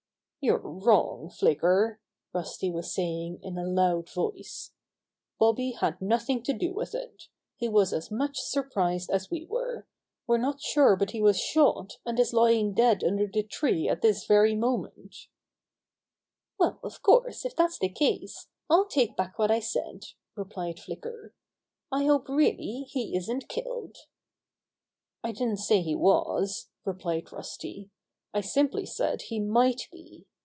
"You're wrong, Flicker," Rusty was saying in a loud voice. "Bobby had nothing to do with it. He was as much surprised as we were. WeVe not sure but he was shot, and is lying dead under the tree at this very mo ment." 113 114 Bobby Gray Squirrel's Adventures "Well, of course, if that's the case, I'll take back what I said," replied Flicker. "I hope really he isn't killed." "I didn't say he was," replied Rusty. "I simply said he might be.